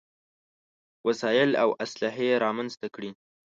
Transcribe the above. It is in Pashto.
وسايل او اسلحې رامنځته کړې.